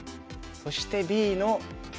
そしてＢの切り。